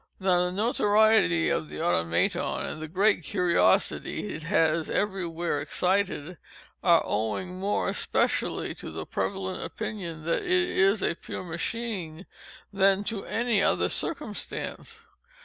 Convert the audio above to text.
Now the notoriety of the Automaton, and the great curiosity it has every where excited, are owing more especially to the prevalent opinion that it is a pure machine, than to any other circumstance.